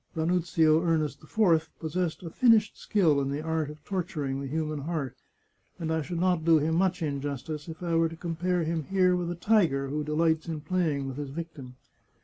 Ranuzio Ernest IV possessed a finished skill in the art of torturing the human heart, and I should not do him much injustice if I were to compare him here with a tiger who delights in playing with his victim.